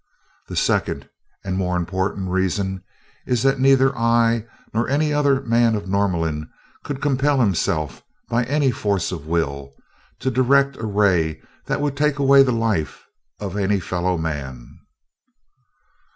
The second, and more important reason, is that neither I nor any other man of Norlamin could compel himself, by any force of will, to direct a ray that would take away the life of any fellow man."